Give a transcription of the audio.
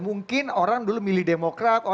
mungkin orang dulu milih demokrat